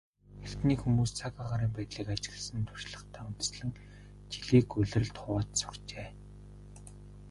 Эртний хүмүүс цаг агаарын байдлыг ажигласан туршлагадаа үндэслэн жилийг улиралд хувааж сурчээ.